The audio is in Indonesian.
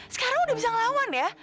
sekarang udah bisa ngelawan ya